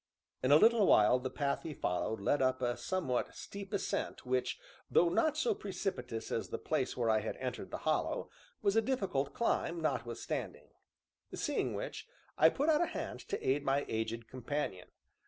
In a little while the path we followed led up a somewhat steep ascent which, though not so precipitous as the place where I had entered the hollow, was a difficult climb, notwithstanding; seeing which, I put out a hand to aid my aged companion.